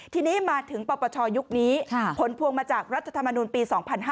ทีนี้มาถึงปปชยุคนี้ผลพวงมาจากรัฐธรรมนุนปี๒๕๕๙